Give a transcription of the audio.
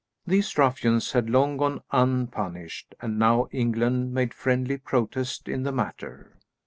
These ruffians had long gone unpunished, and now England made friendly protest in the matter.